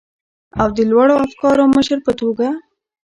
او د لوړو افکارو مشر په توګه،